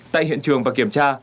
tại hiện trường và kiểm tra